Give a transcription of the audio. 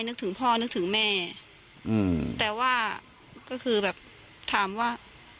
นึกถึงพ่อนึกถึงแม่อืมแต่ว่าก็คือแบบถามว่า